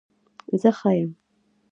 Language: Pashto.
زه ښه يم